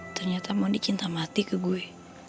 ternyata mondi cinta mati ke gue